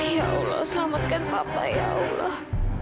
ya allah selamatkan bapak ya allah